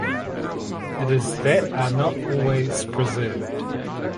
It is that are not always preserved.